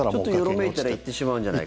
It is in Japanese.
ちょっとよろめいたらいってしまうんじゃないかと。